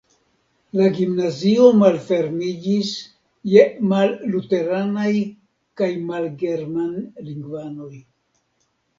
La gimnazio malfermiĝis je malluteranaj kaj malgermanlingvanoj.